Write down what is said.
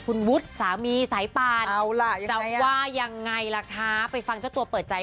คุณวุฒิสามีสายป่านจะว่ายังไงล่ะคะไปฟังเจ้าตัวเปิดใจ